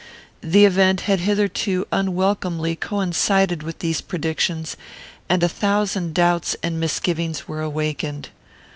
The event had hitherto unwelcomely coincided with these predictions, and a thousand doubts and misgivings were awakened.